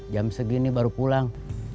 jam segini baru pulang